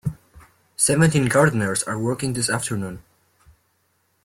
Seventeen gardeners are working this afternoon.